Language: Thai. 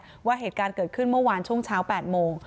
เพราะว่าเหตุการณ์เกิดขึ้นเมื่อวานช่วงเช้า๘โมง